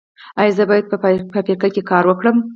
ایا زه باید په فابریکه کې کار وکړم؟